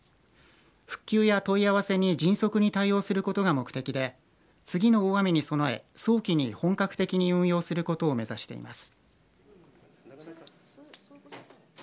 復旧や問い合わせに迅速に対応することが目的で次の大雨に備え、早期に本格的に運用することを目指しています。